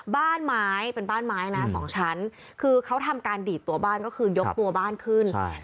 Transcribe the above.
บ้านไม้เป็นบ้านไม้นะสองชั้นคือเขาทำการดีดตัวบ้านก็คือยกตัวบ้านขึ้นใช่